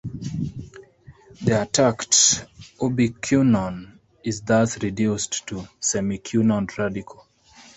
The attached ubiquinone is thus reduced to a semiquinone radical.